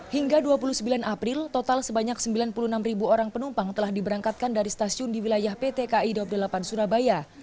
hingga dua puluh sembilan april total sebanyak sembilan puluh enam orang penumpang telah diberangkatkan dari stasiun di wilayah pt ki dua puluh delapan surabaya